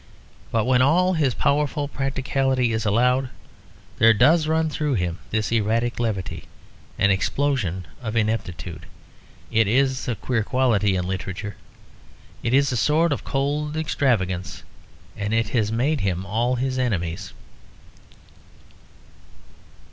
But when all his powerful practicality is allowed, there does run through him this erratic levity, an explosion of ineptitude. It is a queer quality in literature. It is a sort of cold extravagance; and it has made him all his enemies.